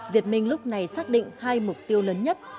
việt minh lúc này xác định hai mục tiêu lớn nhất